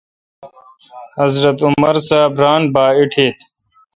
حضرت عمر صاب ا ران با ایٹیت